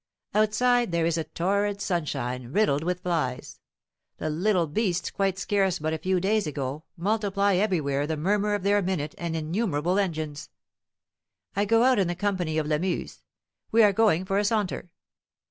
Outside there is torrid sunshine, riddled with flies. The little beasts, quite scarce but a few days ago, multiply everywhere the murmur of their minute and innumerable engines. I go out in the company of Lamuse; we are going for a saunter.